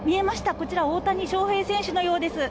こちら大谷選手のようです。